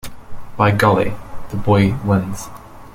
By golly, the boy wins.